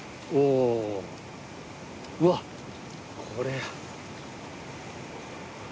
うわっこれや。